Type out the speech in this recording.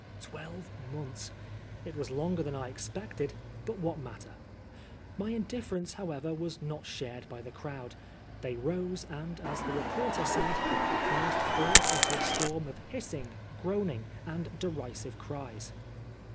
Twelve months I It was longer than I expected, but what matter ? My indifference, however, was not shared by the crowd. They rose, and as the reporter said,, "burst forth into a storm of hissing, groaning, and derisive cries."